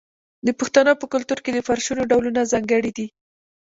د پښتنو په کلتور کې د فرشونو ډولونه ځانګړي دي.